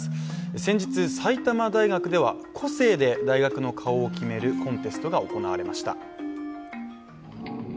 先日、埼玉大学では、個性で大学の顔を決めるコンテストが行われました。